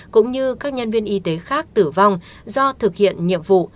cũng như các nhân viên y tế khác tử vong do thực hiện nhiệm vụ